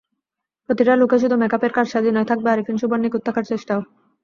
প্রতিটা লুকে শুধু মেকআপের কারসাজি নয়, থাকবে আরিফিন শুভর নিখুঁত থাকার চেষ্টাও।